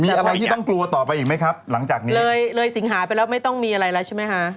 มีอะไรที่ต้องกลัวต่อไปอีกไหมครับหลังจากนี้เลยเลยเลยสิงหาไปแล้วไม่ต้องมีอะไรแล้วใช่ไหมคะ